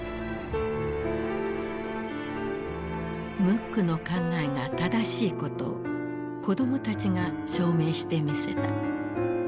ムックの考えが正しいことを子供たちが証明してみせた。